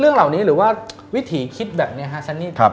เรื่องเหล่านี้หรือว่าวิถีคิดแบบนี้ฮะซันนี่